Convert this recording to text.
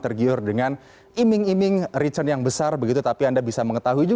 kemudian menjanjikan tiga reta yang pasti yang saya duga skema ponzi seperti itu